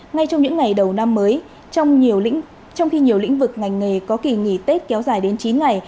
ngay trong những ngày đầu năm mới trong nhiều khi nhiều lĩnh vực ngành nghề có kỳ nghỉ tết kéo dài đến chín ngày